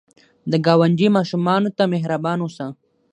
د ګاونډي ماشومانو ته مهربان اوسه